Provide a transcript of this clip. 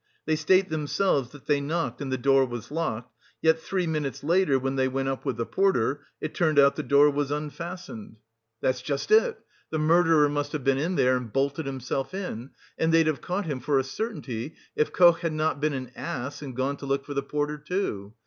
They state themselves that they knocked and the door was locked; yet three minutes later when they went up with the porter, it turned out the door was unfastened." "That's just it; the murderer must have been there and bolted himself in; and they'd have caught him for a certainty if Koch had not been an ass and gone to look for the porter too.